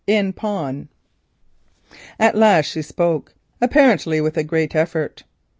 IN PAWN At last she spoke, apparently with a great effort.